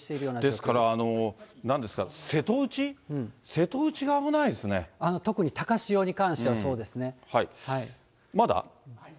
ですからなんですか、瀬戸内、特に高潮に関してはそうですまだ？